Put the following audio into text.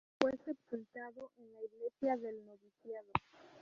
Fue sepultado en la iglesia del noviciado.